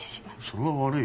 それは悪いよ。